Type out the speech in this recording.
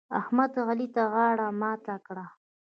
احمد؛ علي ته غاړه ماته کړه.